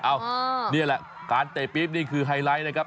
นี่แหละการเตะปี๊บนี่คือไฮไลท์นะครับ